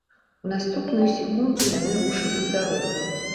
У наступную секунду яны рушылі ў дарогу.